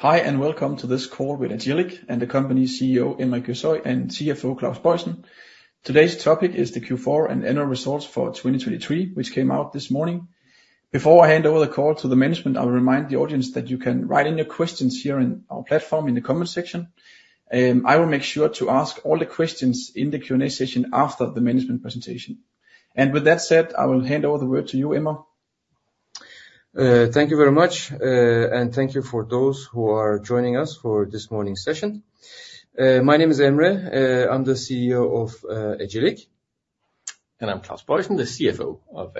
Hi and welcome to this call with Agillic and the company's CEO, Emre Gürsoy, and CFO, Claus Boysen. Today's topic is the Q4 and annual results for 2023, which came out this morning. Before I hand over the call to the management, I will remind the audience that you can write in your questions here on our platform in the comments section. I will make sure to ask all the questions in the Q&A session after the management presentation. With that said, I will hand over the word to you, Emre. Thank you very much, and thank you for those who are joining us for this morning's session. My name is Emre. I'm the CEO of Agillic. I'm Claus Boysen, the CFO of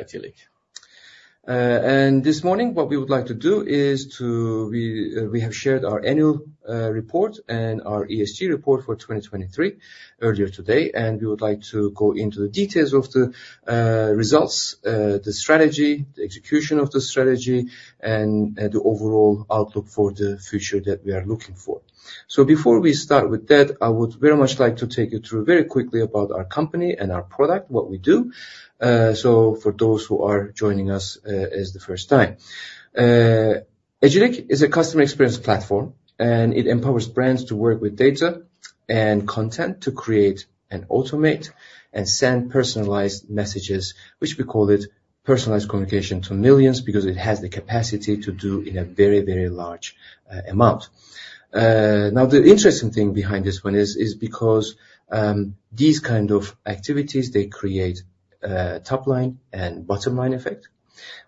Agillic. This morning, what we would like to do is, we have shared our annual report and our ESG report for 2023 earlier today, and we would like to go into the details of the results, the strategy, the execution of the strategy, and the overall outlook for the future that we are looking for. Before we start with that, I would very much like to take you through very quickly about our company and our product, what we do. For those who are joining us as the first time, Agillic is a customer experience platform, and it empowers brands to work with data and content to create and automate and send personalized messages, which we call it personalized communication to millions because it has the capacity to do in a very, very large amount. Now, the interesting thing behind this one is because these kind of activities, they create a top-line and bottom-line effect,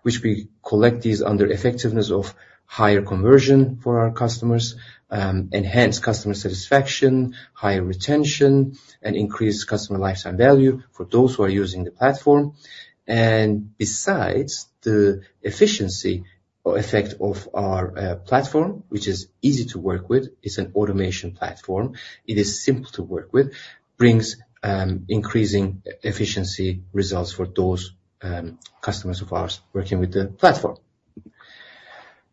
which we collect these under effectiveness of higher conversion for our customers, enhance customer satisfaction, higher retention, and increase customer lifetime value for those who are using the platform. Besides the efficiency effect of our platform, which is easy to work with, it's an automation platform, it is simple to work with, brings increasing efficiency results for those customers of ours working with the platform.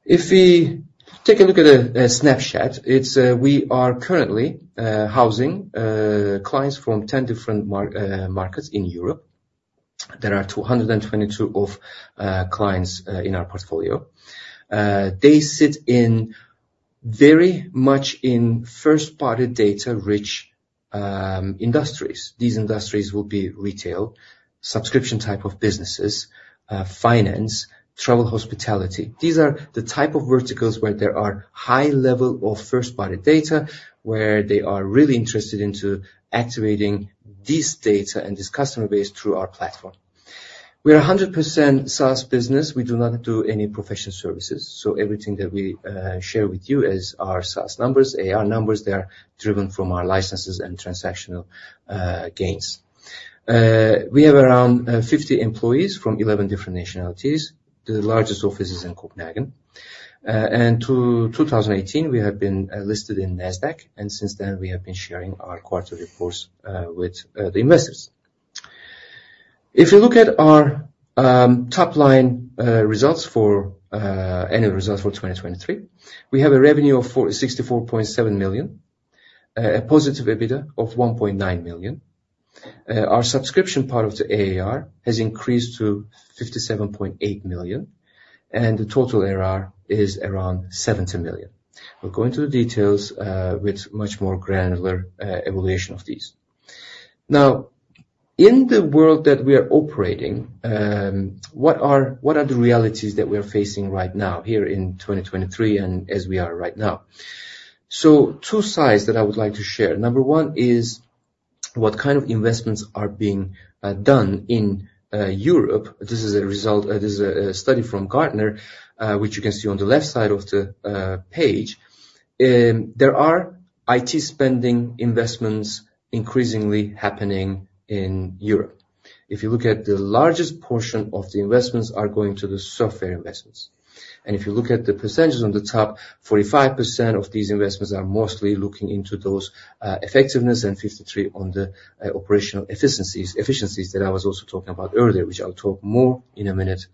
If we take a look at a snapshot, we are currently housing clients from 10 different markets in Europe. There are 222 clients in our portfolio. They sit very much in first-party data-rich industries. These industries will be retail, subscription type of businesses, finance, travel, hospitality. These are the type of verticals where there are high level of first-party data, where they are really interested in activating this data and this customer base through our platform. We are 100% SaaS business. We do not do any professional services. So everything that we share with you as our SaaS numbers, AR numbers, they are driven from our licenses and transactional gains. We have around 50 employees from 11 different nationalities. The largest office is in Copenhagen. And to 2018, we have been listed in Nasdaq, and since then, we have been sharing our quarterly reports with the investors. If you look at our top-line results for annual results for 2023, we have a revenue of 64.7 million, a positive EBITDA of 1.9 million. Our subscription part of the ARR has increased to 57.8 million, and the total ARR is around 70 million. We'll go into the details with much more granular evaluation of these. Now, in the world that we are operating, what are the realities that we are facing right now here in 2023 and as we are right now? So two sides that I would like to share. Number one is what kind of investments are being done in Europe. This is a result. This is a study from Gartner, which you can see on the left side of the page. There are IT spending investments increasingly happening in Europe. If you look at the largest portion of the investments are going to the software investments. And if you look at the percentages on the top, 45% of these investments are mostly looking into those effectiveness and 53% on the operational efficiencies that I was also talking about earlier, which I'll talk more in a minute.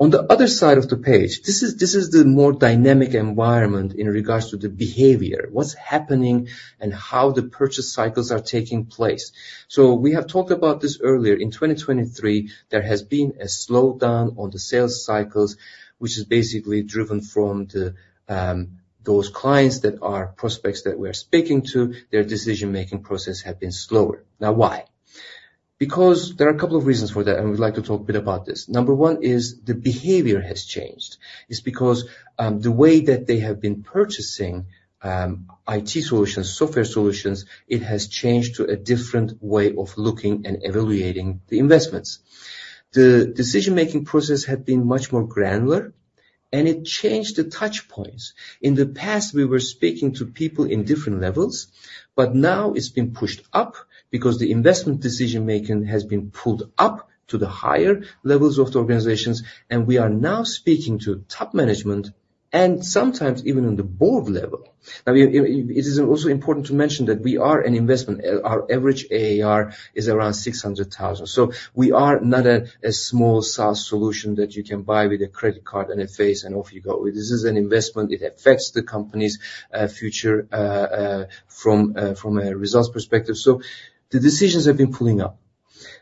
On the other side of the page, this is the more dynamic environment in regards to the behavior, what's happening, and how the purchase cycles are taking place. So we have talked about this earlier. In 2023, there has been a slowdown on the sales cycles, which is basically driven from those clients that are prospects that we are speaking to. Their decision-making process has been slower. Now, why? Because there are a couple of reasons for that, and we'd like to talk a bit about this. Number one is the behavior has changed. It's because the way that they have been purchasing IT solutions, software solutions, it has changed to a different way of looking and evaluating the investments. The decision-making process had been much more granular, and it changed the touchpoints. In the past, we were speaking to people in different levels, but now it's been pushed up because the investment decision-making has been pulled up to the higher levels of the organizations, and we are now speaking to top management and sometimes even on the board level. Now, it is also important to mention that we are an investment. Our average ARR is around 600,000. So we are not a small SaaS solution that you can buy with a credit card and it's phased and off you go. This is an investment. It affects the company's future from a results perspective. So the decisions have been pulling up.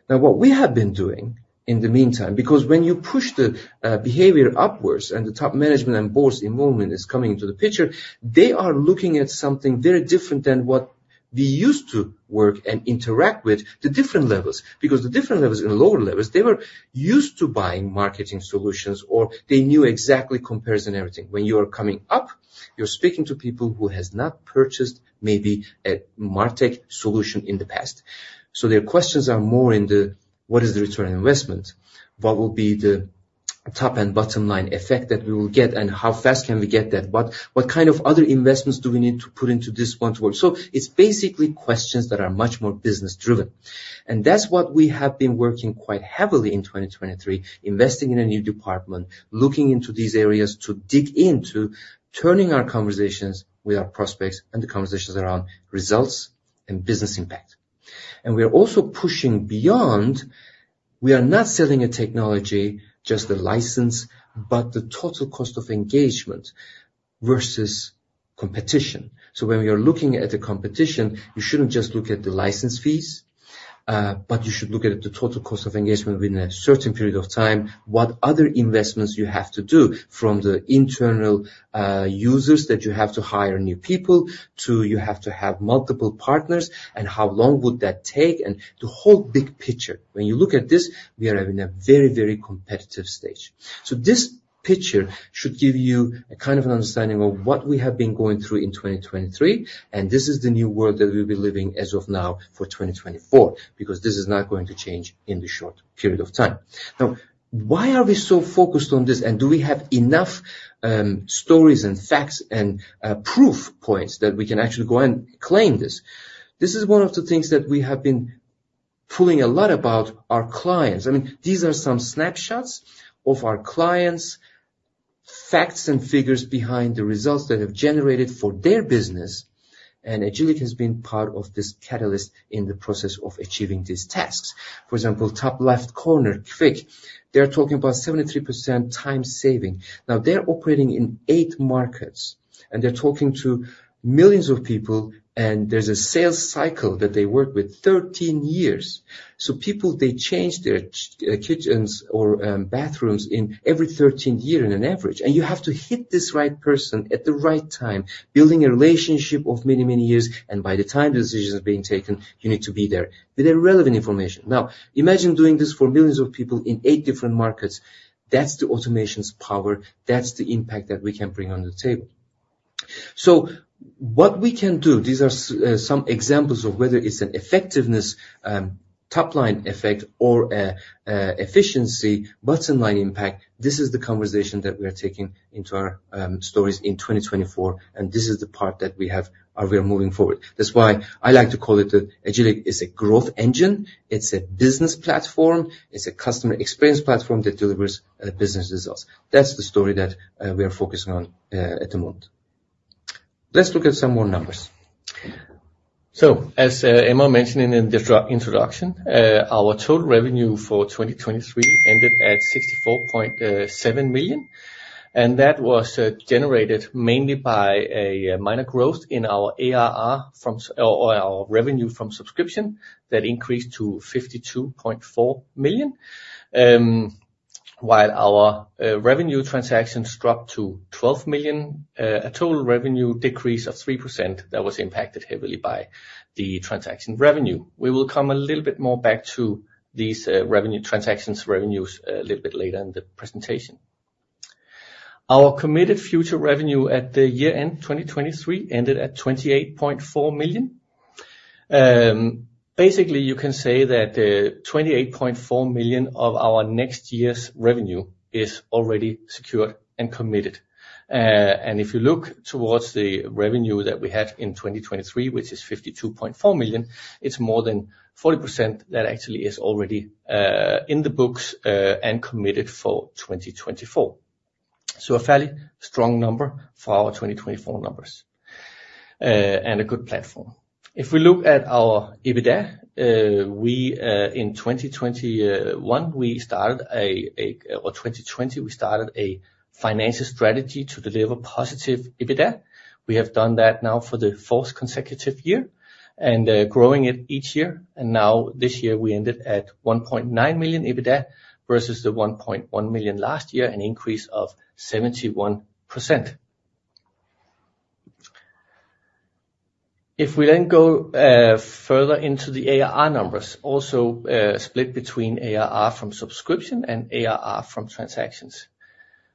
Now, what we have been doing in the meantime because when you push the behavior upwards and the top management and board's involvement is coming into the picture, they are looking at something very different than what we used to work and interact with, the different levels. Because the different levels in lower levels, they were used to buying marketing solutions or they knew exactly comparison everything. When you are coming up, you're speaking to people who have not purchased maybe a Martech solution in the past. So their questions are more in the, "What is the return on investment? What will be the top and bottom line effect that we will get, and how fast can we get that? What kind of other investments do we need to put into this one towards?" So it's basically questions that are much more business-driven. And that's what we have been working quite heavily in 2023, investing in a new department, looking into these areas to dig into, turning our conversations with our prospects and the conversations around results and business impact. And we are also pushing beyond we are not selling a technology, just the license, but the total cost of engagement versus competition. So when we are looking at the competition, you shouldn't just look at the license fees, but you should look at the total cost of engagement within a certain period of time, what other investments you have to do from the internal users that you have to hire new people to you have to have multiple partners, and how long would that take, and the whole big picture. When you look at this, we are in a very, very competitive stage. So this picture should give you a kind of an understanding of what we have been going through in 2023, and this is the new world that we'll be living as of now for 2024 because this is not going to change in the short period of time. Now, why are we so focused on this, and do we have enough stories and facts and proof points that we can actually go and claim this? This is one of the things that we have been pulling a lot about our clients. I mean, these are some snapshots of our clients, facts and figures behind the results that have generated for their business, and Agillic has been part of this catalyst in the process of achieving these tasks. For example, top left corner, Kvik, they are talking about 73% time saving. Now, they're operating in eight markets, and they're talking to millions of people, and there's a sales cycle that they work with 13 years. So people, they change their kitchens or bathrooms every 13 years on an average, and you have to hit this right person at the right time, building a relationship of many, many years, and by the time the decision is being taken, you need to be there with relevant information. Now, imagine doing this for millions of people in eight different markets. That's the automation's power. That's the impact that we can bring on the table. So what we can do, these are some examples of whether it's an effectiveness top-line effect or efficiency bottom-line impact. This is the conversation that we are taking into our stories in 2024, and this is the part that we are moving forward. That's why I like to call it that Agillic is a growth engine. It's a business platform. It's a customer experience platform that delivers business results. That's the story that we are focusing on at the moment. Let's look at some more numbers. So as Emre mentioned in the introduction, our total revenue for 2023 ended at 64.7 million, and that was generated mainly by a minor growth in our ARR or our revenue from subscription that increased to 52.4 million, while our revenue transactions dropped to 12 million, a total revenue decrease of 3% that was impacted heavily by the transaction revenue. We will come a little bit more back to these revenue transactions revenues a little bit later in the presentation. Our committed future revenue at the year-end 2023 ended at 28.4 million. Basically, you can say that 28.4 million of our next year's revenue is already secured and committed. And if you look towards the revenue that we had in 2023, which is 52.4 million, it's more than 40% that actually is already in the books and committed for 2024. So a fairly strong number for our 2024 numbers and a good platform. If we look at our EBITDA, in 2020, we started a financial strategy to deliver positive EBITDA. We have done that now for the fourth consecutive year and growing it each year. Now, this year, we ended at 1.9 million EBITDA versus the 1.1 million last year, an increase of 71%. If we then go further into the ARR numbers, also split between ARR from subscription and ARR from transactions.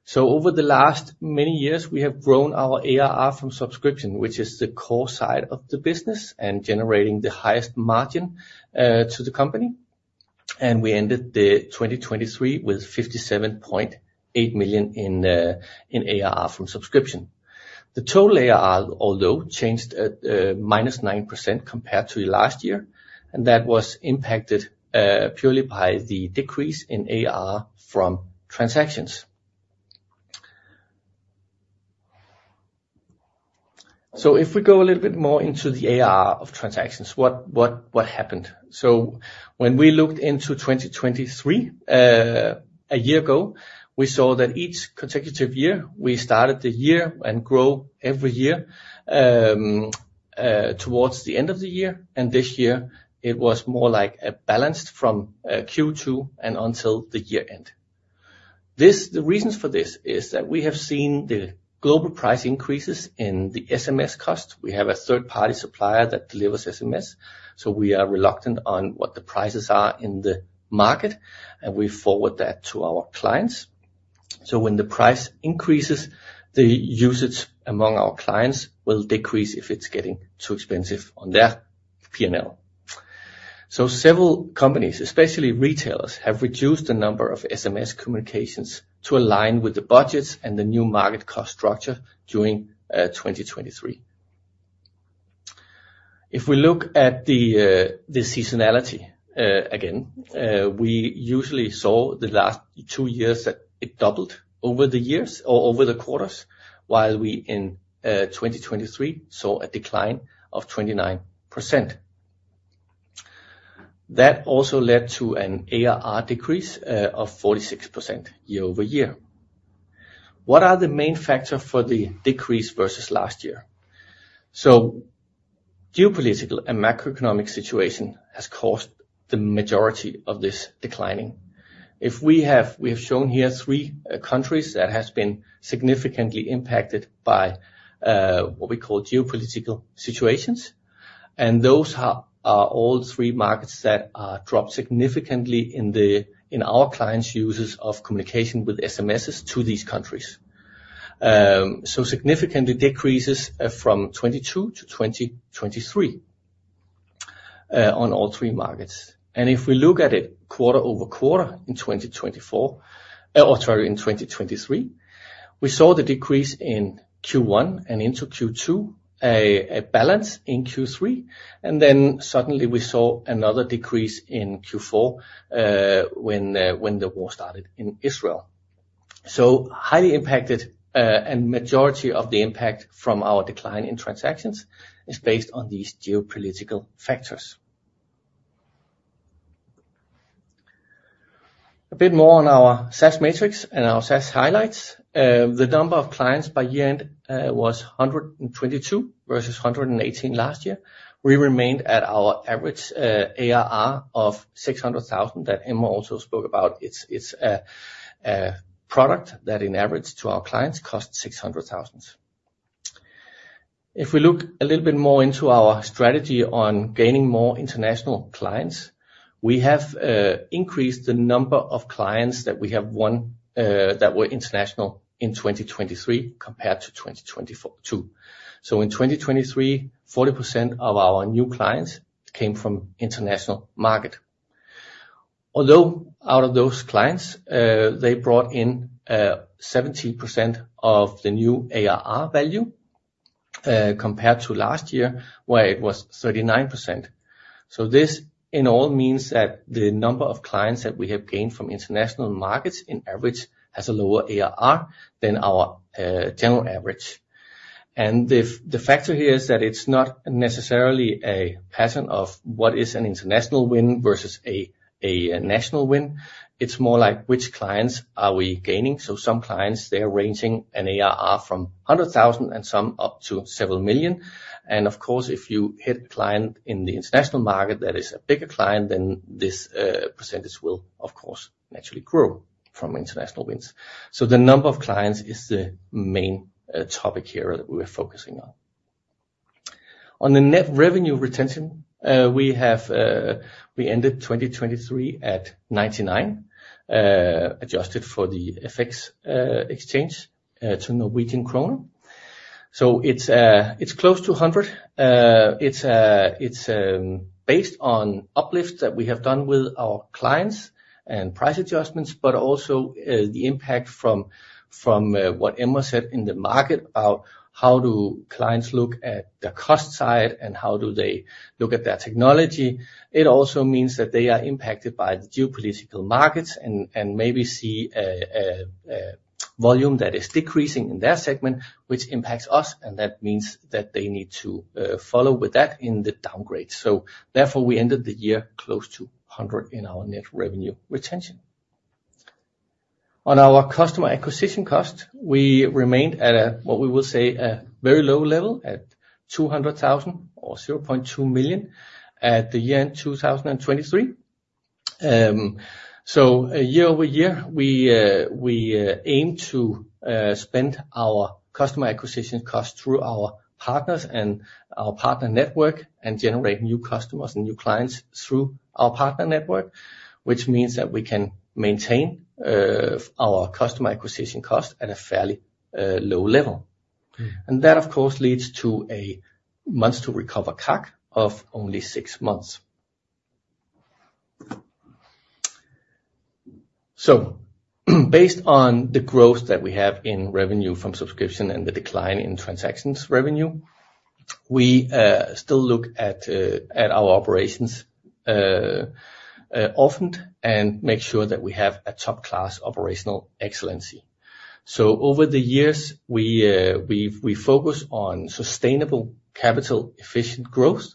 So over the last many years, we have grown our ARR from subscription, which is the core side of the business and generating the highest margin to the company. And we ended 2023 with 57.8 million in ARR from subscription. The total ARR, although, changed at -9% compared to last year, and that was impacted purely by the decrease in ARR from transactions. So if we go a little bit more into the ARR of transactions, what happened? So when we looked into 2023 a year ago, we saw that each consecutive year, we started the year and grow every year towards the end of the year. And this year, it was more balanced from Q2 and until the year-end. The reasons for this is that we have seen the global price increases in the SMS cost. We have a third-party supplier that delivers SMS. So we are reluctant on what the prices are in the market, and we forward that to our clients. So when the price increases, the usage among our clients will decrease if it's getting too expensive on their P&L. Several companies, especially retailers, have reduced the number of SMS communications to align with the budgets and the new market cost structure during 2023. If we look at the seasonality again, we usually saw the last two years that it doubled over the years or over the quarters, while we in 2023 saw a decline of 29%. That also led to an ARR decrease of 46% year-over-year. What are the main factors for the decrease versus last year? Geopolitical and macroeconomic situation has caused the majority of this declining. We have shown here three countries that have been significantly impacted by what we call geopolitical situations. And those are all three markets that have dropped significantly in our clients' uses of communication with SMSs to these countries. Significantly decreases from 2022 to 2023 on all three markets. And if we look at it quarter-over-quarter in 2024 or sorry, in 2023, we saw the decrease in Q1 and into Q2, a balance in Q3. And then suddenly, we saw another decrease in Q4 when the war started in Israel. So highly impacted and majority of the impact from our decline in transactions is based on these geopolitical factors. A bit more on our SaaS metrics and our SaaS highlights. The number of clients by year-end was 122 versus 118 last year. We remained at our average ARR of 600,000 that Emre also spoke about. It's a product that, in average, to our clients costs 600,000. If we look a little bit more into our strategy on gaining more international clients, we have increased the number of clients that we have won that were international in 2023 compared to 2022. So in 2023, 40% of our new clients came from the international market. Although out of those clients, they brought in 17% of the new ARR value compared to last year, where it was 39%. So this, in all, means that the number of clients that we have gained from international markets, in average, has a lower ARR than our general average. And the factor here is that it's not necessarily a pattern of what is an international win versus a national win. It's more like which clients are we gaining. So some clients, they're ranging an ARR from 100,000 and some up to several million. And of course, if you hit a client in the international market that is a bigger client, then this percentage will, of course, naturally grow from international wins. So the number of clients is the main topic here that we are focusing on. On the net revenue retention, we ended 2023 at 99%, adjusted for the FX exchange to Norwegian krone. So it's close to 100%. It's based on uplift that we have done with our clients and price adjustments, but also the impact from what Emre said in the market about how do clients look at the cost side and how do they look at their technology. It also means that they are impacted by the geopolitical markets and maybe see a volume that is decreasing in their segment, which impacts us. And that means that they need to follow with that in the downgrade. So therefore, we ended the year close to 100% in our net revenue retention. On our customer acquisition cost, we remained at what we will say a very low level at 200,000 or 0.2 million at the year-end 2023. So year-over-year, we aim to spend our customer acquisition cost through our partners and our partner network and generate new customers and new clients through our partner network, which means that we can maintain our customer acquisition cost at a fairly low level. And that, of course, leads to a months-to-recover CAC of only six months. So based on the growth that we have in revenue from subscription and the decline in transactions revenue, we still look at our operations often and make sure that we have a top-class operational excellence. So over the years, we focus on sustainable capital-efficient growth.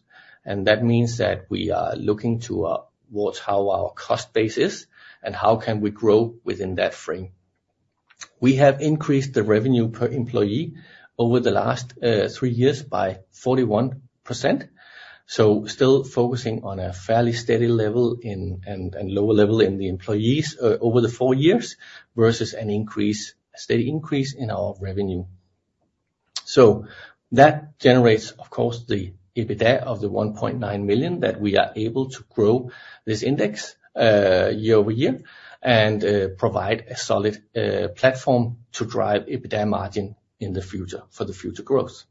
And that means that we are looking towards how our cost base is and how can we grow within that frame. We have increased the revenue per employee over the last three years by 41%, so still focusing on a fairly steady level and lower level in the employees over the four years versus a steady increase in our revenue. So that generates, of course, the EBITDA of 1.9 million that we are able to grow this index year over year and provide a solid platform to drive EBITDA margin in the future for the future growth.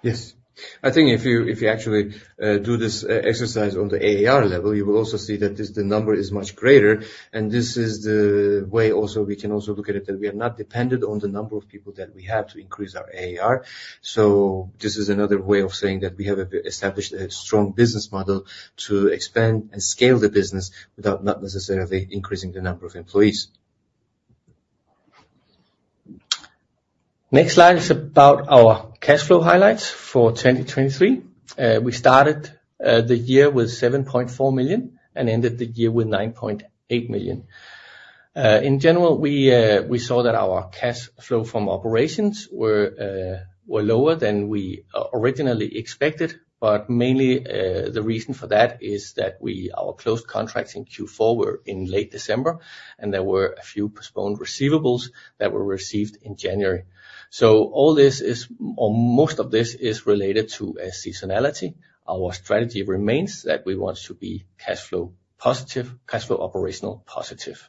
Yes. I think if you actually do this exercise on the ARR level, you will also see that the number is much greater. This is the way also we can also look at it that we are not dependent on the number of people that we have to increase our ARR. This is another way of saying that we have established a strong business model to expand and scale the business without necessarily increasing the number of employees. Next slide is about our cash flow highlights for 2023. We started the year with 7.4 million and ended the year with 9.8 million. In general, we saw that our cash flow from operations were lower than we originally expected, but mainly the reason for that is that our closed contracts in Q4 were in late December, and there were a few postponed receivables that were received in January. So all this is or most of this is related to seasonality. Our strategy remains that we want to be cash flow operational positive.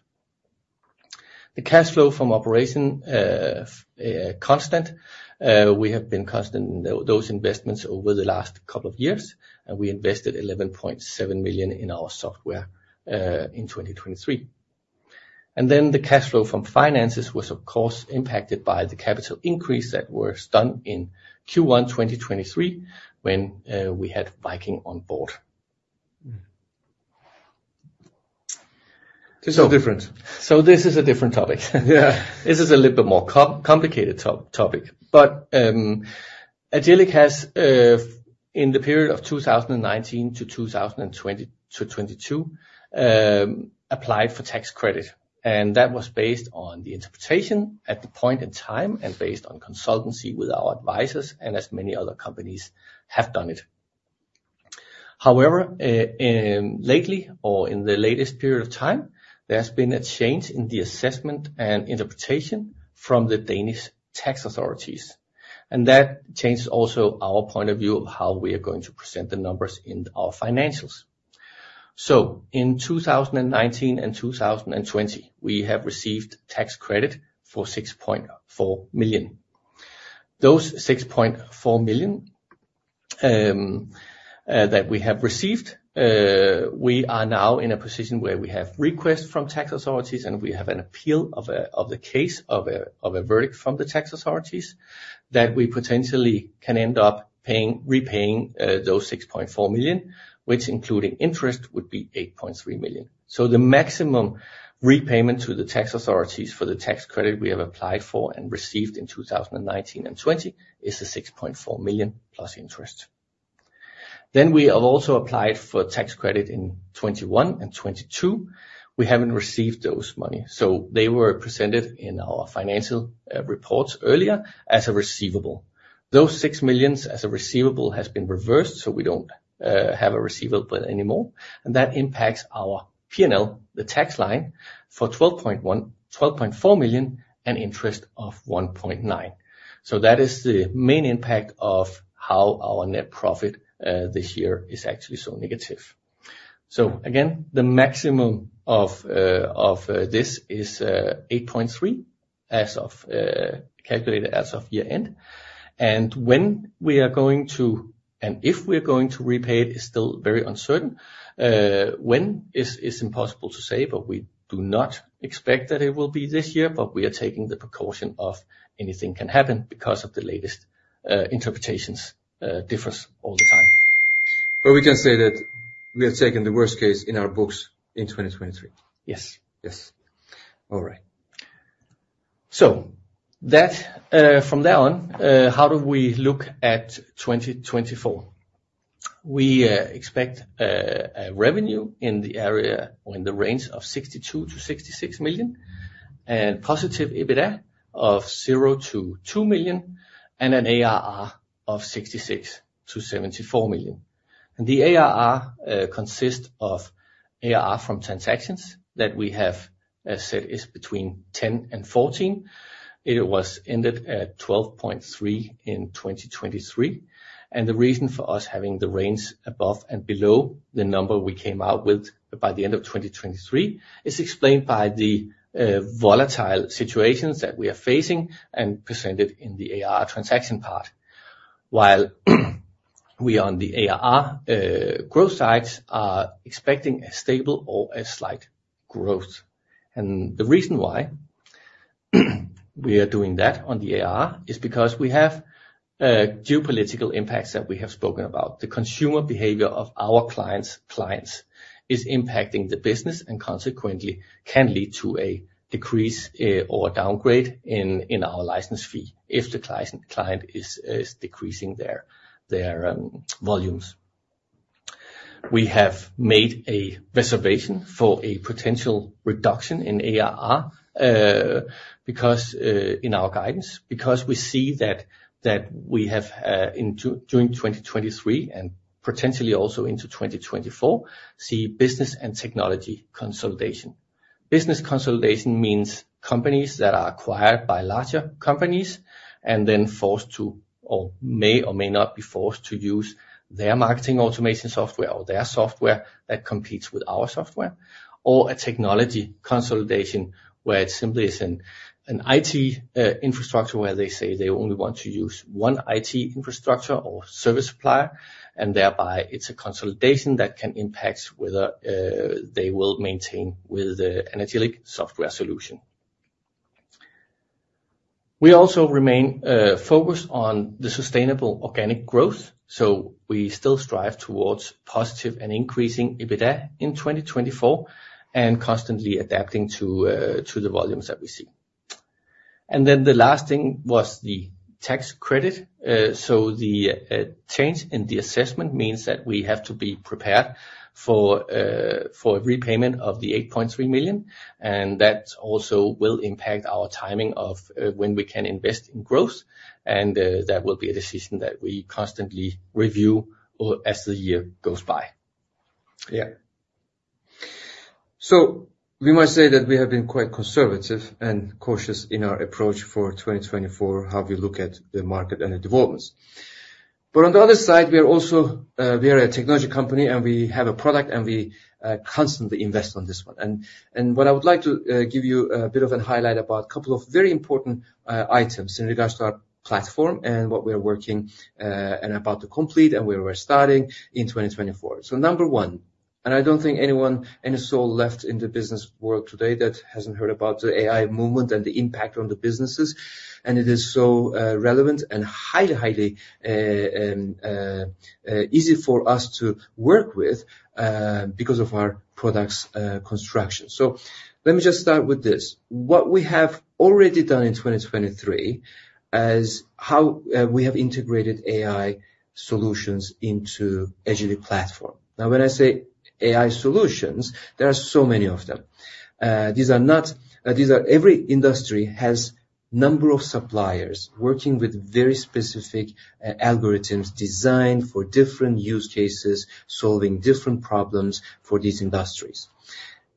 The cash flow from operation is constant. We have been constant in those investments over the last couple of years, and we invested 11.7 million in our software in 2023. And then the cash flow from finances was, of course, impacted by the capital increase that was done in Q1 2023 when we had Viking on board. This is different. So this is a different topic. This is a little bit more complicated topic. But Agillic has, in the period of 2019 to 2022, applied for tax credit. And that was based on the interpretation at the point in time and based on consultancy with our advisors, and as many other companies have done it. However, lately or in the latest period of time, there has been a change in the assessment and interpretation from the Danish tax authorities. And that changes also our point of view of how we are going to present the numbers in our financials. So in 2019 and 2020, we have received tax credit for 6.4 million. Those 6.4 million that we have received, we are now in a position where we have requests from tax authorities, and we have an appeal of the case of a verdict from the tax authorities that we potentially can end up repaying those 6.4 million, which, including interest, would be 8.3 million. So the maximum repayment to the tax authorities for the tax credit we have applied for and received in 2019 and 2020 is the 6.4 million plus interest. Then we have also applied for tax credit in 2021 and 2022. We haven't received those money. So they were presented in our financial reports earlier as a receivable. Those 6 million as a receivable has been reversed, so we don't have a receivable anymore. And that impacts our P&L, the tax line, for 12.4 million and interest of 1.9. So that is the main impact of how our net profit this year is actually so negative. So again, the maximum of this is 8.3 as calculated as of year-end. When we are going to and if we are going to repay it is still very uncertain. When is impossible to say, but we do not expect that it will be this year. But we are taking the precaution of anything can happen because of the latest interpretations differ all the time. But we can say that we have taken the worst case in our books in 2023. Yes. Yes. All right. So from there on, how do we look at 2024? We expect revenue in the area in the range of 62 million-66 million and positive EBITDA of 0 million-2 million and an ARR of 66 million-74 million. The ARR consists of ARR from transactions that we have said is between 10 million-14 million. It was ended at 12.3 million in 2023. The reason for us having the range above and below the number we came out with by the end of 2023 is explained by the volatile situations that we are facing and presented in the ARR transaction part. While we on the ARR growth sides are expecting a stable or a slight growth. The reason why we are doing that on the ARR is because we have geopolitical impacts that we have spoken about. The consumer behavior of our clients' clients is impacting the business and consequently can lead to a decrease or downgrade in our license fee if the client is decreasing their volumes. We have made a reservation for a potential reduction in ARR in our guidance because we see that we have, in June 2023 and potentially also into 2024, business and technology consolidation. Business consolidation means companies that are acquired by larger companies and then forced to or may or may not be forced to use their marketing automation software or their software that competes with our software or a technology consolidation where it simply is an IT infrastructure where they say they only want to use one IT infrastructure or service supplier. And thereby, it's a consolidation that can impact whether they will maintain with the Agillic software solution. We also remain focused on the sustainable organic growth. So we still strive towards positive and increasing EBITDA in 2024 and constantly adapting to the volumes that we see. Then the last thing was the tax credit. So the change in the assessment means that we have to be prepared for a repayment of the 8.3 million. And that also will impact our timing of when we can invest in growth. And that will be a decision that we constantly review as the year goes by. Yeah. So we must say that we have been quite conservative and cautious in our approach for 2024, how we look at the market and the developments. But on the other side, we are also a technology company, and we have a product, and we constantly invest on this one. What I would like to give you a bit of a highlight about a couple of very important items in regards to our platform and what we are working and about to complete and where we're starting in 2024. Number one, and I don't think anyone any soul left in the business world today that hasn't heard about the AI movement and the impact on the businesses. It is so relevant and highly, highly easy for us to work with because of our product's construction. Let me just start with this. What we have already done in 2023 is how we have integrated AI solutions into Agillic platform. Now, when I say AI solutions, there are so many of them. These are not every industry has a number of suppliers working with very specific algorithms designed for different use cases, solving different problems for these industries.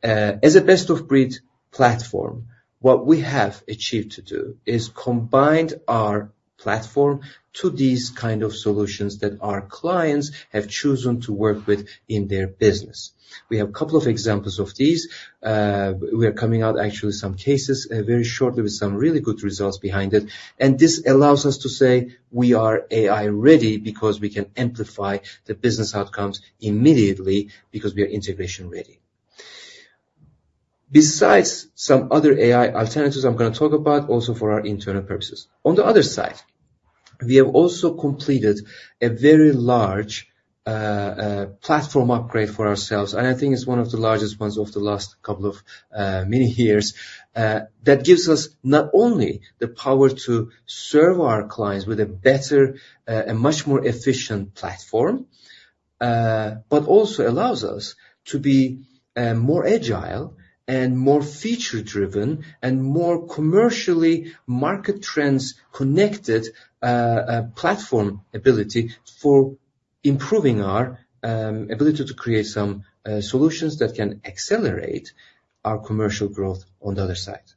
As a best-of-breed platform, what we have achieved to do is combine our platform to these kind of solutions that our clients have chosen to work with in their business. We have a couple of examples of these. We are coming out, actually, some cases very shortly with some really good results behind it. And this allows us to say we are AI-ready because we can amplify the business outcomes immediately because we are integration-ready. Besides some other AI alternatives I'm going to talk about also for our internal purposes. On the other side, we have also completed a very large platform upgrade for ourselves. I think it's one of the largest ones of the last couple of many years that gives us not only the power to serve our clients with a better and much more efficient platform but also allows us to be more agile and more feature-driven and more commercially market trends-connected platform ability for improving our ability to create some solutions that can accelerate our commercial growth on the other side.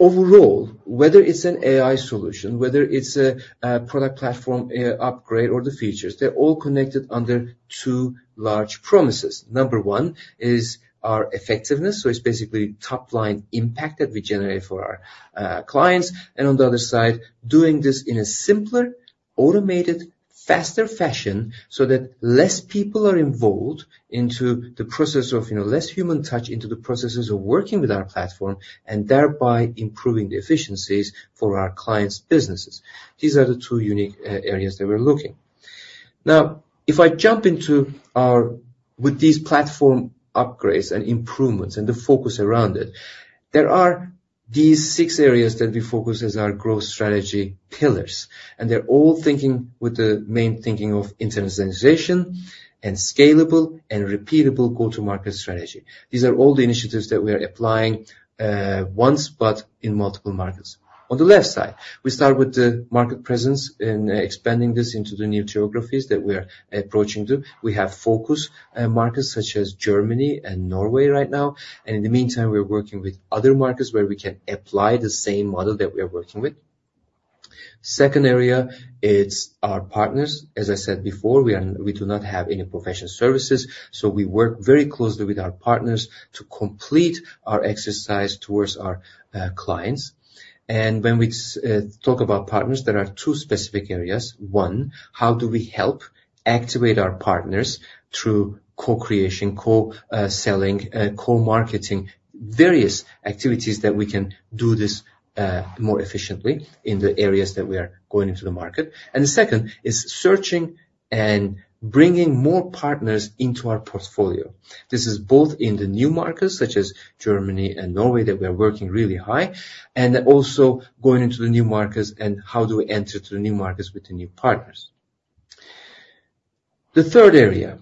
Overall, whether it's an AI solution, whether it's a product platform upgrade or the features, they're all connected under two large promises. Number one is our effectiveness. So it's basically top-line impact that we generate for our clients. On the other side, doing this in a simpler, automated, faster fashion so that less people are involved into the process of less human touch into the processes of working with our platform and thereby improving the efficiencies for our clients' businesses. These are the two unique areas that we're looking. Now, if I jump into our with these platform upgrades and improvements and the focus around it, there are these six areas that we focus as our growth strategy pillars. They're all thinking with the main thinking of internationalization and scalable and repeatable go-to-market strategy. These are all the initiatives that we are applying once but in multiple markets. On the left side, we start with the market presence and expanding this into the new geographies that we are approaching to. We have focus markets such as Germany and Norway right now. And in the meantime, we're working with other markets where we can apply the same model that we are working with. Second area, it's our partners. As I said before, we do not have any professional services. So we work very closely with our partners to complete our exercise towards our clients. And when we talk about partners, there are two specific areas. One, how do we help activate our partners through co-creation, co-selling, co-marketing, various activities that we can do this more efficiently in the areas that we are going into the market? And the second is searching and bringing more partners into our portfolio. This is both in the new markets such as Germany and Norway that we are working really high and also going into the new markets and how do we enter to the new markets with the new partners? The third area,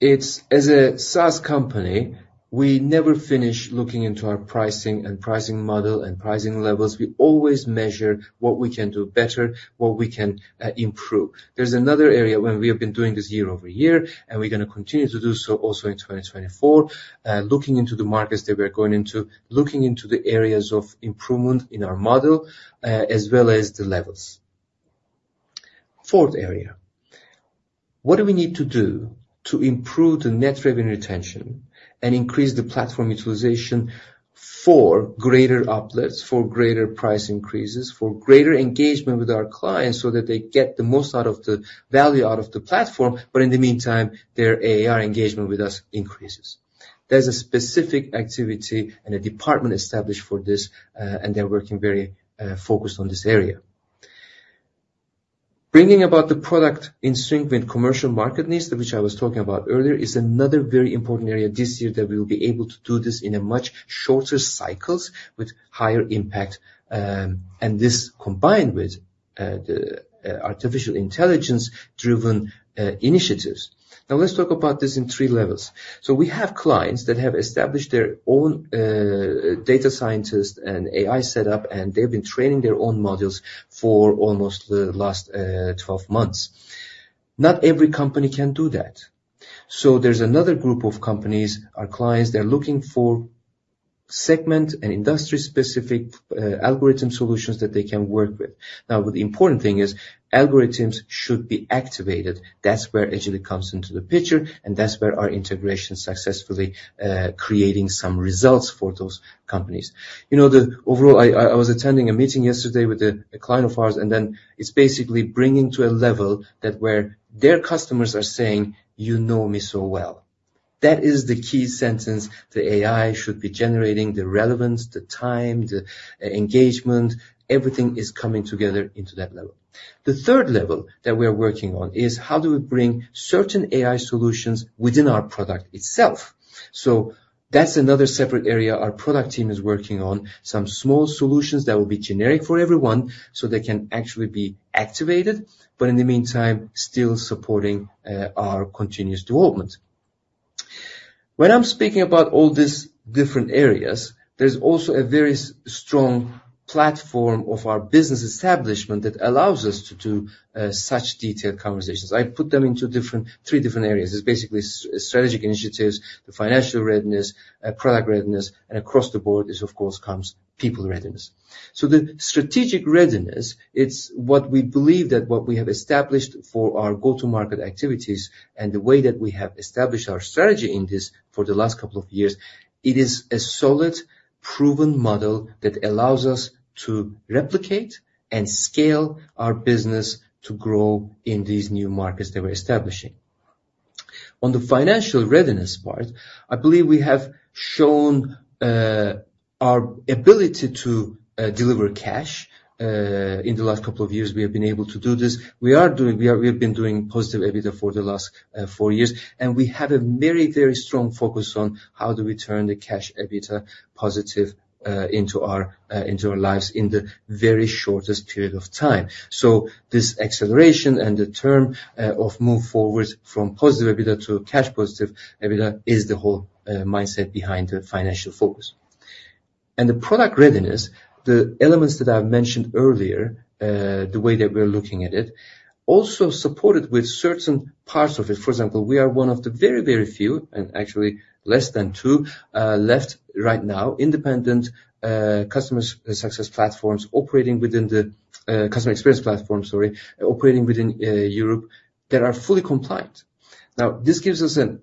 as a SaaS company, we never finish looking into our pricing and pricing model and pricing levels. We always measure what we can do better, what we can improve. There's another area when we have been doing this year-over-year, and we're going to continue to do so also in 2024, looking into the markets that we are going into, looking into the areas of improvement in our model as well as the levels. Fourth area, what do we need to do to improve the net revenue retention and increase the platform utilization for greater upsells, for greater price increases, for greater engagement with our clients so that they get the most out of the value out of the platform but in the meantime, their ARR engagement with us increases? There's a specific activity and a department established for this, and they're working very focused on this area. Bringing about the product-insufficient commercial market needs, which I was talking about earlier, is another very important area this year that we will be able to do this in much shorter cycles with higher impact. This combined with the artificial intelligence-driven initiatives. Now, let's talk about this in three levels. So we have clients that have established their own data scientist and AI setup, and they've been training their own modules for almost the last 12 months. Not every company can do that. So there's another group of companies, our clients. They're looking for segment and industry-specific algorithm solutions that they can work with. Now, the important thing is algorithms should be activated. That's where Agillic comes into the picture, and that's where our integration is successfully creating some results for those companies. Overall, I was attending a meeting yesterday with a client of ours, and then it's basically bringing to a level where their customers are saying, "You know me so well." That is the key sentence. The AI should be generating the relevance, the time, the engagement. Everything is coming together into that level. The third level that we are working on is how do we bring certain AI solutions within our product itself? So that's another separate area our product team is working on, some small solutions that will be generic for everyone so they can actually be activated but in the meantime, still supporting our continuous development. When I'm speaking about all these different areas, there's also a very strong platform of our business establishment that allows us to do such detailed conversations. I put them into three different areas. It's basically strategic initiatives, the financial readiness, product readiness, and across the board, of course, comes people readiness. So the strategic readiness, it's what we believe that what we have established for our go-to-market activities and the way that we have established our strategy in this for the last couple of years, it is a solid, proven model that allows us to replicate and scale our business to grow in these new markets that we're establishing. On the financial readiness part, I believe we have shown our ability to deliver cash. In the last couple of years, we have been able to do this. We have been doing positive EBITDA for the last four years, and we have a very, very strong focus on how do we turn the cash EBITDA positive into our lives in the very shortest period of time. So this acceleration and the term of move forward from positive EBITDA to cash-positive EBITDA is the whole mindset behind the financial focus. And the product readiness, the elements that I've mentioned earlier, the way that we're looking at it, also supported with certain parts of it. For example, we are one of the very, very few and actually less than two left right now, independent customer success platforms operating within the customer experience platform, sorry, operating within Europe that are fully compliant. Now, this gives us a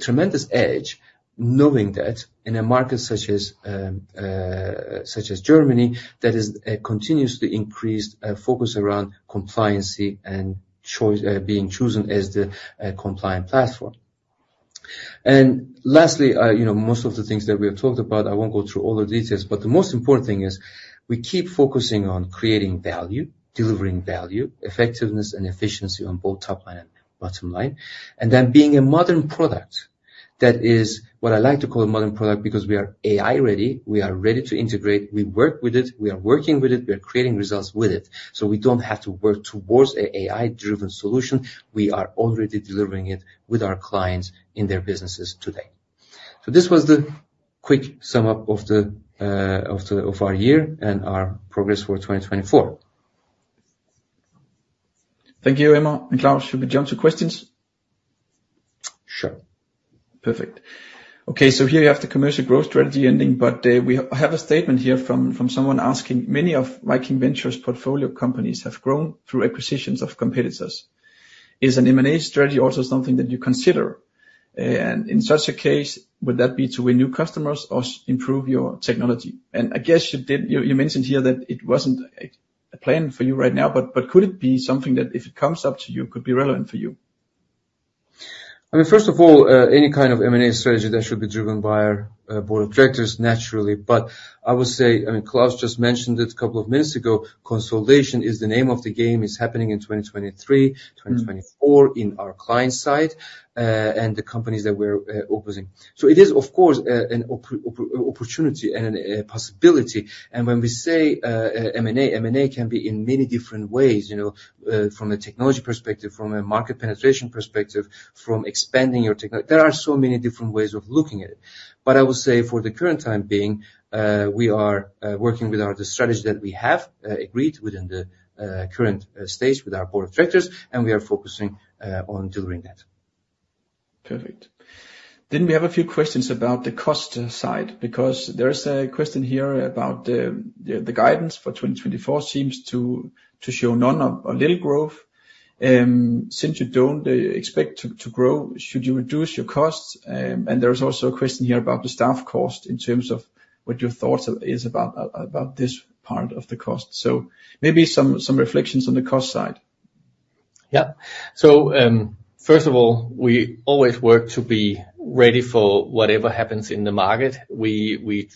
tremendous edge knowing that in a market such as Germany, there is a continuously increased focus around compliancy and being chosen as the compliant platform. Lastly, most of the things that we have talked about, I won't go through all the details, but the most important thing is we keep focusing on creating value, delivering value, effectiveness, and efficiency on both top line and bottom line, and then being a modern product that is what I like to call a modern product because we are AI-ready. We are ready to integrate. We work with it. We are working with it. We are creating results with it. So we don't have to work towards an AI-driven solution. We are already delivering it with our clients in their businesses today. This was the quick sum up of our year and our progress for 2024. Thank you, Emre. Claus, should we jump to questions? Sure. Perfect. Okay. So here you have the commercial growth strategy ending, but we have a statement here from someone asking, "Many of Viking Venture's portfolio companies have grown through acquisitions of competitors. Is an M&A strategy also something that you consider? And in such a case, would that be to win new customers or improve your technology?" And I guess you mentioned here that it wasn't a plan for you right now, but could it be something that if it comes up to you, could be relevant for you? I mean, first of all, any kind of M&A strategy, that should be driven by our board of directors, naturally. But I would say, I mean, Claus just mentioned it a couple of minutes ago, consolidation is the name of the game. It's happening in 2023, 2024 in our client side and the companies that we're opposing. So it is, of course, an opportunity and a possibility. And when we say M&A, M&A can be in many different ways, from a technology perspective, from a market penetration perspective, from expanding your technology. There are so many different ways of looking at it. But I would say for the current time being, we are working with the strategy that we have agreed within the current stage with our board of directors, and we are focusing on delivering that. Perfect. Then we have a few questions about the cost side because there is a question here about the guidance for 2024 seems to show none or little growth. Since you don't expect to grow, should you reduce your costs? And there is also a question here about the staff cost in terms of what your thoughts are about this part of the cost. So maybe some reflections on the cost side. Yeah. So first of all, we always work to be ready for whatever happens in the market. We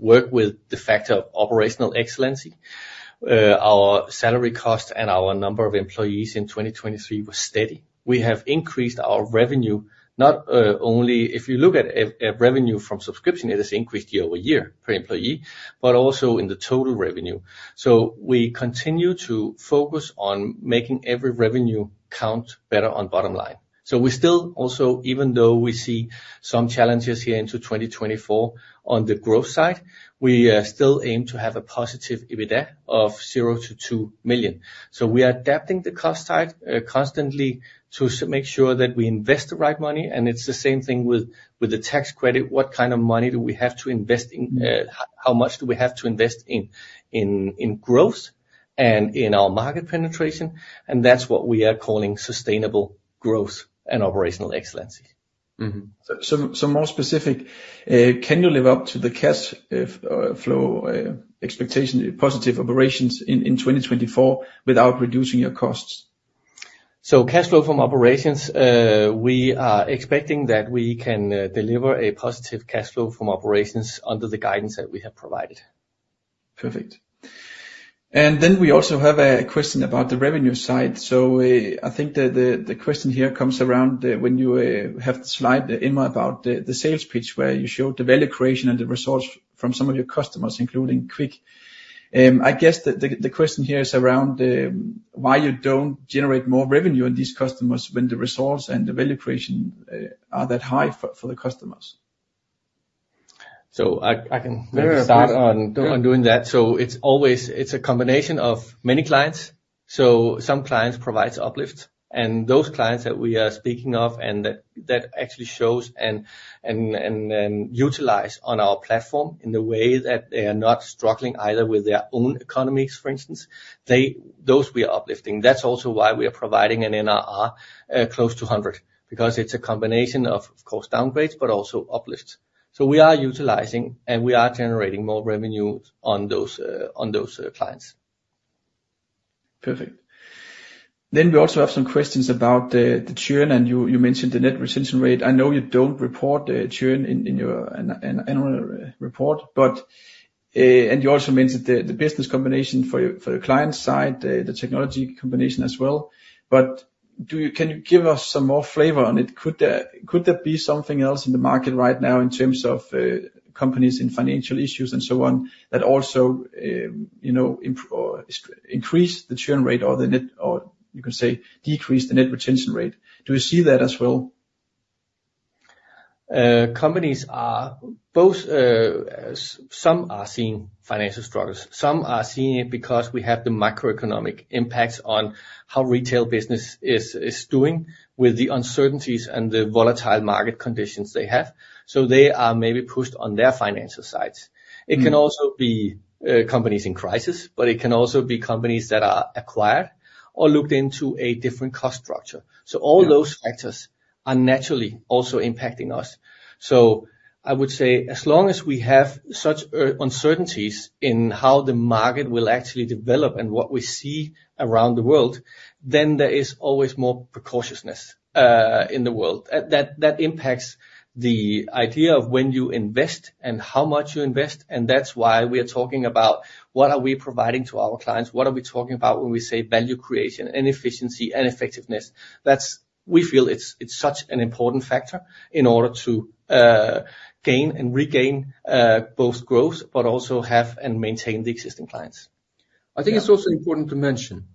work with the factor of operational excellence. Our salary cost and our number of employees in 2023 were steady. We have increased our revenue not only if you look at revenue from subscription, it has increased year-over-year per employee but also in the total revenue. So we continue to focus on making every revenue count better on bottom line. So we still also, even though we see some challenges here into 2024 on the growth side, we still aim to have a positive EBITDA of 0 million-2 million. So we are adapting the cost side constantly to make sure that we invest the right money. It's the same thing with the tax credit. What kind of money do we have to invest in? How much do we have to invest in growth and in our market penetration? That's what we are calling sustainable growth and operational excellence. More specific, can you live up to the cash flow expectation, positive operations in 2024 without reducing your costs? Cash flow from operations, we are expecting that we can deliver a positive cash flow from operations under the guidance that we have provided. Perfect. Then we also have a question about the revenue side. I think the question here comes around when you have the slide, Emre, about the sales pitch where you showed the value creation and the results from some of your customers, including Kvik. I guess the question here is around why you don't generate more revenue in these customers when the results and the value creation are that high for the customers. I can start on doing that. It's a combination of many clients. Some clients provide uplifts, and those clients that we are speaking of and that actually show and utilize on our platform in the way that they are not struggling either with their own economies, for instance, those we are uplifting. That's also why we are providing an NRR close to 100 because it's a combination of, of course, downgrades but also uplifts. We are utilizing, and we are generating more revenue on those clients. Perfect. Then we also have some questions about the churn, and you mentioned the net retention rate. I know you don't report churn in your annual report, and you also mentioned the business combination for your client side, the technology combination as well. But can you give us some more flavor on it? Could there be something else in the market right now in terms of companies in financial issues and so on that also increase the churn rate or the net, or you can say decrease the net retention rate? Do you see that as well? Companies are both some are seeing financial struggles. Some are seeing it because we have the macroeconomic impacts on how retail business is doing with the uncertainties and the volatile market conditions they have. So they are maybe pushed on their financial sides. It can also be companies in crisis, but it can also be companies that are acquired or looked into a different cost structure. So all those factors are naturally also impacting us. So I would say as long as we have such uncertainties in how the market will actually develop and what we see around the world, then there is always more precautiousness in the world. That impacts the idea of when you invest and how much you invest. And that's why we are talking about what are we providing to our clients? What are we talking about when we say value creation and efficiency and effectiveness? We feel it's such an important factor in order to gain and regain both growth but also have and maintain the existing clients. I think it's also important to mention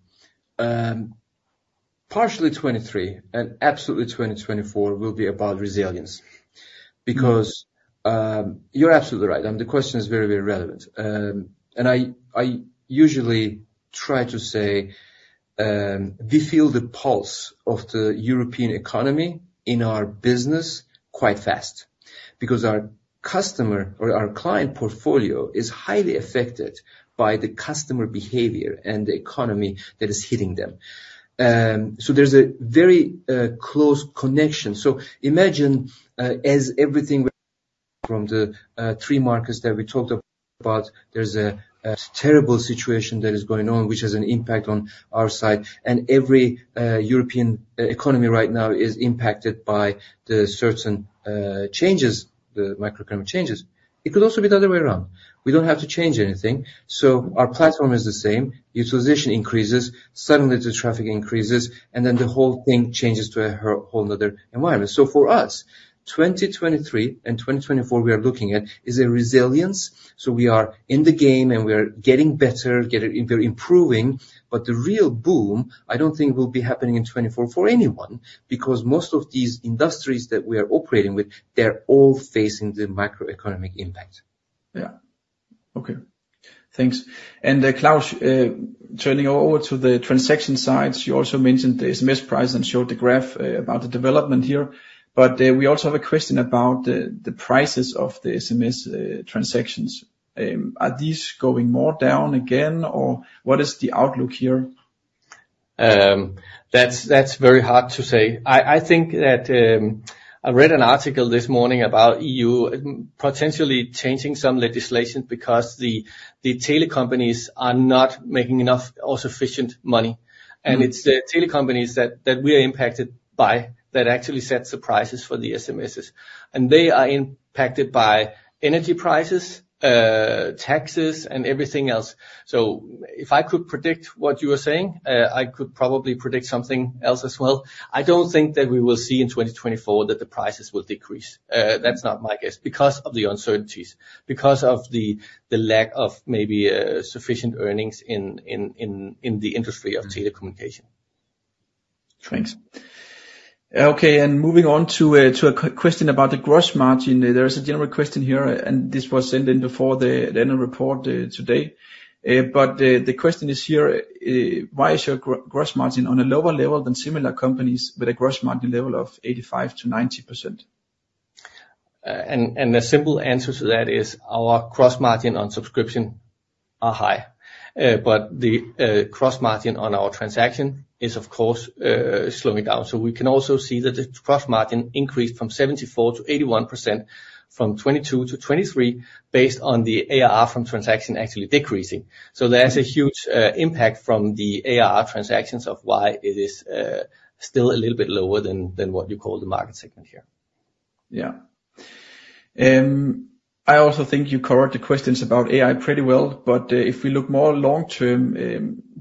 partially 2023 and absolutely 2024 will be about resilience because you're absolutely right. The question is very, very relevant. I usually try to say we feel the pulse of the European economy in our business quite fast because our customer or our client portfolio is highly affected by the customer behavior and the economy that is hitting them. So there's a very close connection. Imagine as everything from the three markets that we talked about, there's a terrible situation that is going on, which has an impact on our side, and every European economy right now is impacted by the certain changes, the macroeconomic changes. It could also be the other way around. We don't have to change anything. So our platform is the same. Utilization increases. Suddenly, the traffic increases, and then the whole thing changes to a whole nother environment. So for us, 2023 and 2024 we are looking at is a resilience. So we are in the game, and we are getting better, improving. But the real boom, I don't think, will be happening in 2024 for anyone because most of these industries that we are operating with, they're all facing the macroeconomic impact. Yeah. Okay. Thanks. And Claus, turning over to the transaction sides, you also mentioned the SMS price and showed the graph about the development here. But we also have a question about the prices of the SMS transactions. Are these going more down again, or what is the outlook here? That's very hard to say. I think that I read an article this morning about EU potentially changing some legislation because the telecom companies are not making enough or sufficient money. And it's the telecom companies that we are impacted by that actually set prices for the SMSs. And they are impacted by energy prices, taxes, and everything else. So if I could predict what you were saying, I could probably predict something else as well. I don't think that we will see in 2024 that the prices will decrease. That's not my guess because of the uncertainties, because of the lack of maybe sufficient earnings in the industry of telecommunications. Thanks. Okay. Moving on to a question about the gross margin. There is a general question here, and this was sent in before the annual report today. The question is here, why is your gross margin on a lower level than similar companies with a gross margin level of 85%-90%? The simple answer to that is our gross margin on subscription is high. But the gross margin on our transaction is, of course, slowing down. So we can also see that the gross margin increased from 74%-81% from 2022 to 2023 based on the ARR from transaction actually decreasing. So there's a huge impact from the ARR transactions of why it is still a little bit lower than what you call the market segment here. Yeah. I also think you covered the questions about AI pretty well. But if we look more long-term,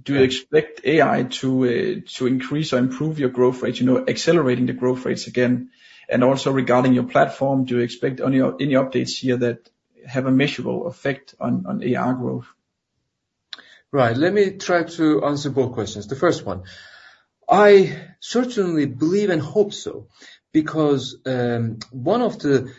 do you expect AI to increase or improve your growth rate, accelerating the growth rates again? And also regarding your platform, do you expect any updates here that have a measurable effect on AR growth? Right. Let me try to answer both questions. The first one, I certainly believe and hope so because one of the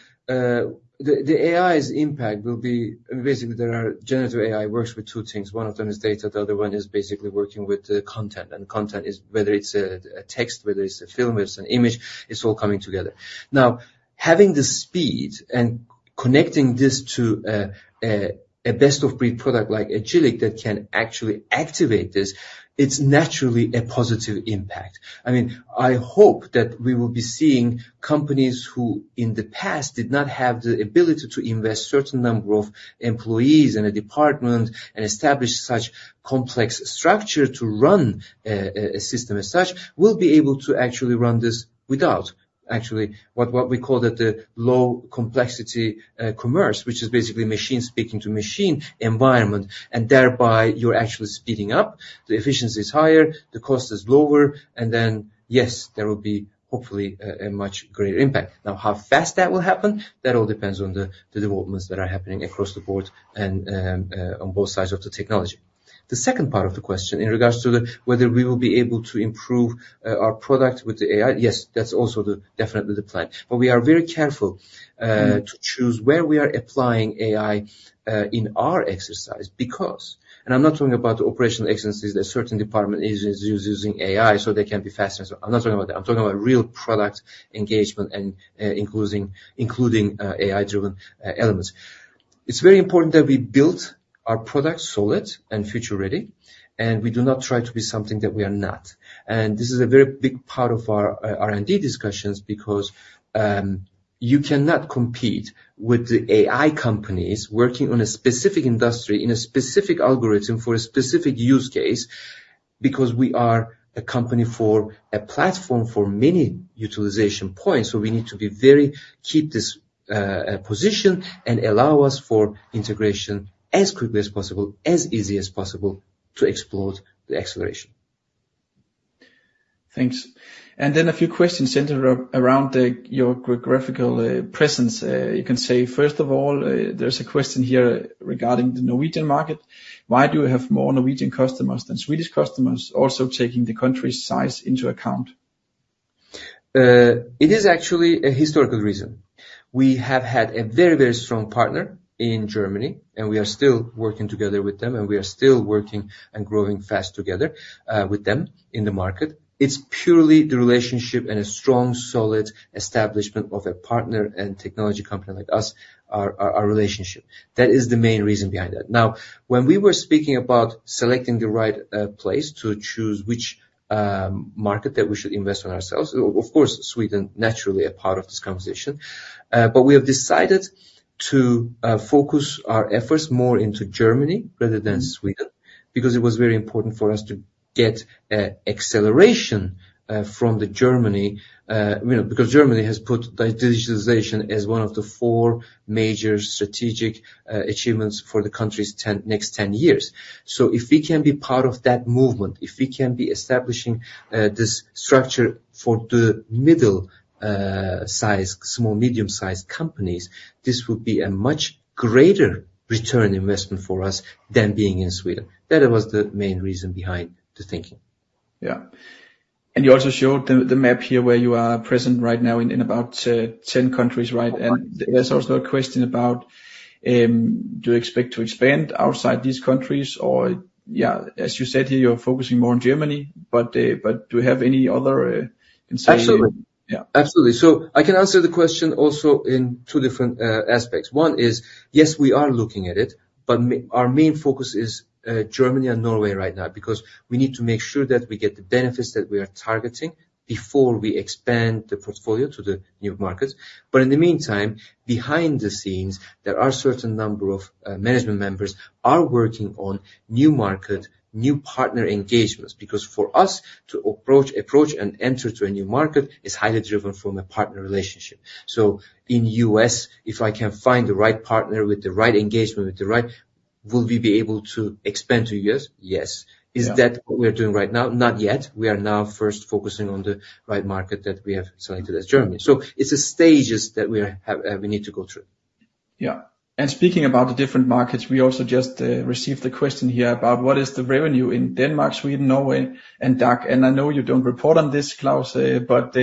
AI's impact will be basically there are generative AI works with two things. One of them is data. The other one is basically working with the content. And content is whether it's a text, whether it's a film, whether it's an image, it's all coming together. Now, having the speed and connecting this to a best-of-breed product like Agillic that can actually activate this, it's naturally a positive impact. I mean, I hope that we will be seeing companies who in the past did not have the ability to invest a certain number of employees in a department and establish such complex structure to run a system as such will be able to actually run this without actually what we call the low-complexity commerce, which is basically machine speaking to machine environment. And thereby, you're actually speeding up. The efficiency is higher. The cost is lower. And then, yes, there will be hopefully a much greater impact. Now, how fast that will happen, that all depends on the developments that are happening across the board and on both sides of the technology. The second part of the question in regards to whether we will be able to improve our product with the AI, yes, that's also definitely the plan. But we are very careful to choose where we are applying AI in our exercise because, and I'm not talking about the operational excellencies that certain department is using AI so they can be faster. I'm not talking about that. I'm talking about real product engagement and including AI-driven elements. It's very important that we build our product solid and future-ready, and we do not try to be something that we are not. And this is a very big part of our R&D discussions because you cannot compete with the AI companies working on a specific industry in a specific algorithm for a specific use case because we are a company for a platform for many utilization points. So we need to keep this position and allow us for integration as quickly as possible, as easy as possible to explode the acceleration. Thanks. And then a few questions centered around your geographical presence. You can say, first of all, there's a question here regarding the Norwegian market. Why do you have more Norwegian customers than Swedish customers, also taking the country's size into account? It is actually a historical reason. We have had a very, very strong partner in Germany, and we are still working together with them, and we are still working and growing fast together with them in the market. It's purely the relationship and a strong, solid establishment of a partner and technology company like us, our relationship. That is the main reason behind that. Now, when we were speaking about selecting the right place to choose which market that we should invest in ourselves, of course, Sweden is naturally a part of this conversation. But we have decided to focus our efforts more into Germany rather than Sweden because it was very important for us to get acceleration from Germany because Germany has put digitalization as one of the four major strategic achievements for the country's next 10 years. If we can be part of that movement, if we can be establishing this structure for the middle-sized, small, medium-sized companies, this would be a much greater return on investment for us than being in Sweden. That was the main reason behind the thinking. Yeah. And you also showed the map here where you are present right now in about 10 countries, right? And there's also a question about do you expect to expand outside these countries? Or yeah, as you said here, you're focusing more on Germany. But do you have any other insights? Absolutely. Absolutely. So I can answer the question also in two different aspects. One is, yes, we are looking at it, but our main focus is Germany and Norway right now because we need to make sure that we get the benefits that we are targeting before we expand the portfolio to the new markets. But in the meantime, behind the scenes, there are a certain number of management members who are working on new market, new partner engagements because for us to approach and enter to a new market is highly driven from a partner relationship. So in the U.S., if I can find the right partner with the right engagement, will we be able to expand to the U.S.? Yes. Is that what we are doing right now? Not yet. We are now first focusing on the right market that we have selected as Germany. It's stages that we need to go through. Yeah. And speaking about the different markets, we also just received a question here about what is the revenue in Denmark, Sweden, Norway, and DACH? And I know you don't report on this, Claus, but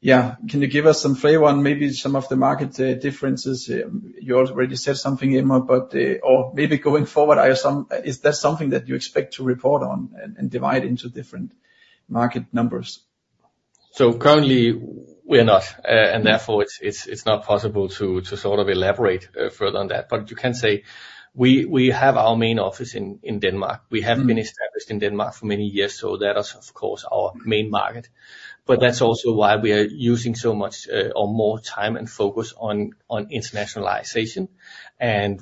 yeah, can you give us some flavor on maybe some of the market differences? You already said something, Emre, but maybe going forward, is that something that you expect to report on and divide into different market numbers? Currently, we are not. Therefore, it's not possible to sort of elaborate further on that. You can say we have our main office in Denmark. We have been established in Denmark for many years. That is, of course, our main market. That's also why we are using so much or more time and focus on internationalization.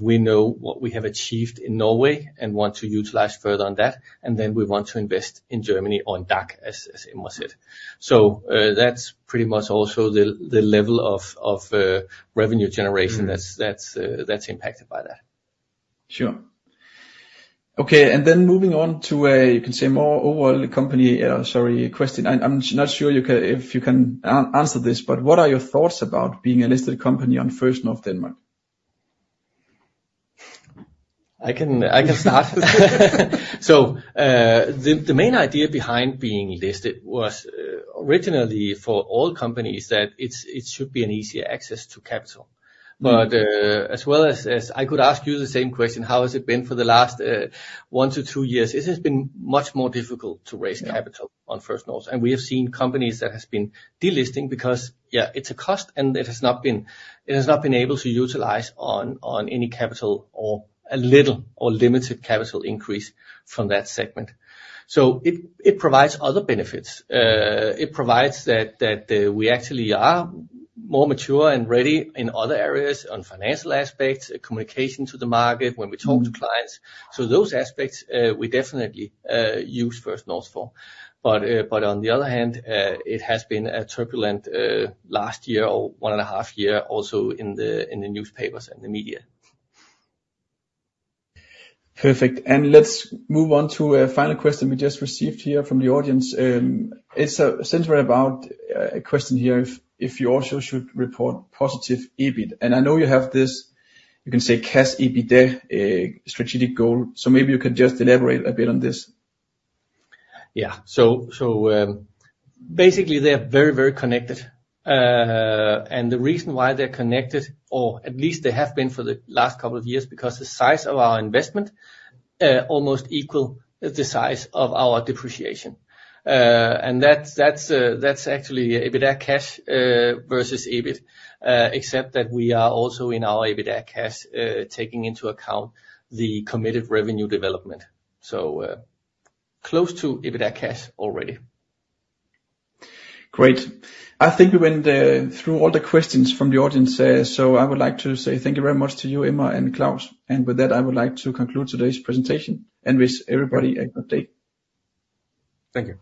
We know what we have achieved in Norway and want to utilize further on that. Then we want to invest in Germany on DACH, as Emre said. That's pretty much also the level of revenue generation that's impacted by that. Sure. Okay. And then moving on to, you can say, more overall company, sorry, question. I'm not sure if you can answer this, but what are your thoughts about being a listed company on First North Denmark? I can start. So the main idea behind being listed was originally for all companies that it should be an easier access to capital. But as well as I could ask you the same question, how has it been for the last one to two years? It has been much more difficult to raise capital on First North. And we have seen companies that have been delisting because, yeah, it's a cost, and it has not been able to utilize on any capital or a little or limited capital increase from that segment. So it provides other benefits. It provides that we actually are more mature and ready in other areas on financial aspects, communication to the market when we talk to clients. So those aspects, we definitely use First North for. But on the other hand, it has been a turbulent last year or one and a half year also in the newspapers and the media. Perfect. Let's move on to a final question we just received here from the audience. It's centered about a question here if you also should report positive EBIT. I know you have this, you can say, cash EBITDA strategic goal. Maybe you can just elaborate a bit on this. Yeah. Basically, they're very, very connected. The reason why they're connected, or at least they have been for the last couple of years, is because the size of our investment is almost equal to the size of our depreciation. That's actually EBITDA cash versus EBIT, except that we are also in our EBITDA cash taking into account the committed revenue development. Close to EBITDA cash already. Great. I think we went through all the questions from the audience. So I would like to say thank you very much to you, Emre, and Claus. And with that, I would like to conclude today's presentation. And wish everybody a good day. Thank you.